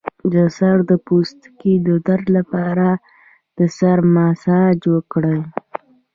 د سر د پوستکي د درد لپاره د سر مساج وکړئ